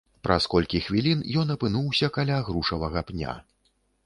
Праз колькі хвілін ён апынуўся каля грушавага пня.